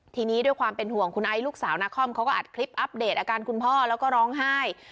ทีนี้ด้วยความเป็นห่วงคุณไอซ์ลูกสาวนาคอมเขาก็อัดคลิปอัปเดตอาการคุณพ่อแล้วก็ร้องไห้